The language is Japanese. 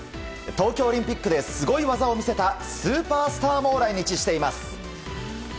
東京オリンピックですごい技を見せたスーパースターも来日しています。